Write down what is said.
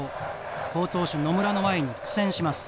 好投手野村の前に苦戦します。